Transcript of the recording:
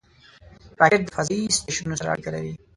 راکټ د فضایي سټیشنونو سره اړیکه لري